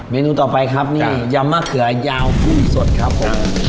นูต่อไปครับนี่ยำมะเขือยาวกุ้งสดครับผม